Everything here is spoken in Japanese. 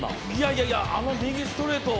いやいや、あの右ストレート